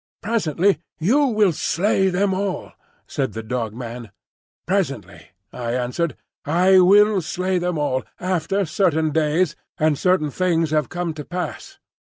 "Presently you will slay them all," said the Dog man. "Presently," I answered, "I will slay them all,—after certain days and certain things have come to pass.